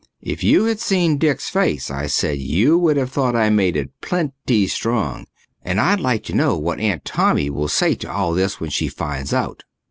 "If you had seen Dick's face," I said, "you would have thought I made it plenty strong. And I'd like to know what Aunt Tommy will say to all this when she finds out."